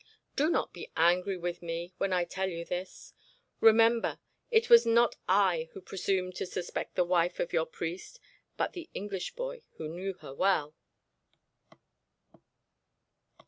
Do not be angry with me when I tell you this. Remember it was not I who presumed to suspect the wife of your priest, but the English boy, who knew her well.'